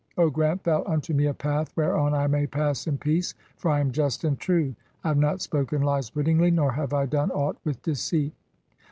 (10) O grant thou unto "me a path whereon I may pass in peace, for I am just and "true ; I have not spoken lies wittingly, nor have I done aught "with deceit."